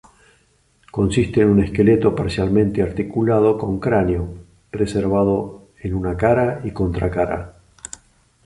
Consiste en un esqueleto parcialmente articulado con cráneo, preservado en una cara y contracara.